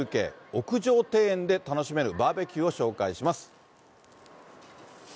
屋上庭園で楽しめるバーベキューを紹介します。